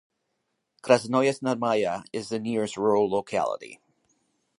Krasnoye Znamya is the nearest rural locality.